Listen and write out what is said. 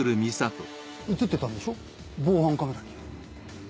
映ってたんでしょ防犯カメラに。